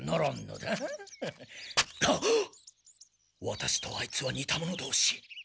ワタシとあいつはにた者同士。